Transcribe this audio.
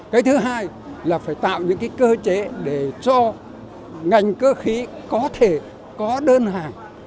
cái thứ hai là phải tạo những cái cơ chế để cho ngành cơ khí có thể có đơn hàng